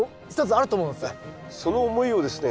その思いをですね